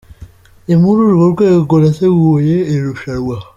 Ni muri urwo rwego nateguye iri rushanwa.